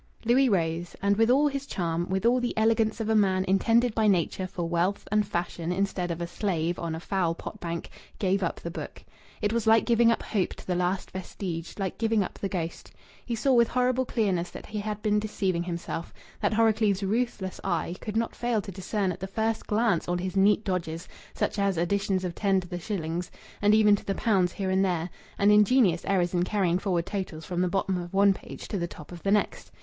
Louis rose, and with all his charm, with all the elegance of a man intended by Nature for wealth and fashion instead of a slave on a foul pot bank, gave up the book. It was like giving up hope to the last vestige, like giving up the ghost. He saw with horrible clearness that he had been deceiving himself, that Horrocleave's ruthless eye could not fail to discern at the first glance all his neat dodges, such as additions of ten to the shillings, and even to the pounds here and there, and ingenious errors in carrying forward totals from the bottom of one page to the top of the next.